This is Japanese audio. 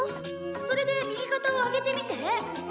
それで右肩を上げてみて。